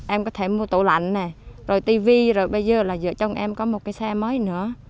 em có thể mua tủ lạnh rồi tivi rồi bây giờ là vợ chồng em có một cái xe mới nữa